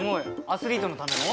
アスリートのための？